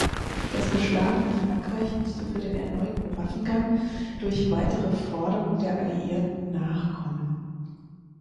Das geschlagene Frankreich musste für den erneuten Waffengang durch weitere Forderung der Alliierten nachkommen.